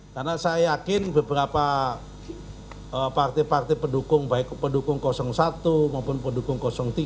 karena saya yakin beberapa partai partai pedukung baik pedukung satu maupun pedukung tiga